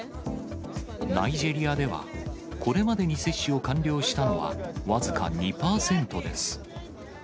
ナイジェリアではこれまでに接種を完了したのは、僅か２％です。